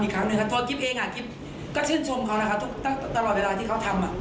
โค้ดรักโค้ดแค้นค่ะ